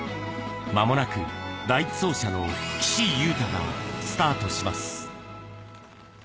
まもなく第１走者の岸優太がスタートします。